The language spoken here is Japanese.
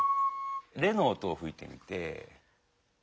レの音をふいてみて。